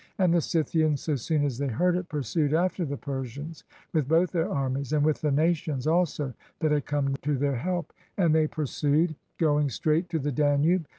And the Scythians, so soon as they heard it, pursued after the Persians with both their armies, and with the nations also that had come to their help; and they pursued, 343 PERSIA going straight to the Danube.